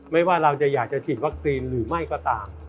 ว่าเราจะอยากจะฉีดวัคซีนหรือไม่ก็ตาม